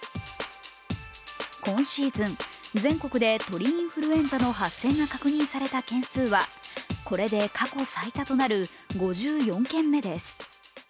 今シーズン、全国で鳥インフルエンザの発生が確認された件数はこれで過去最多となる５４件目です。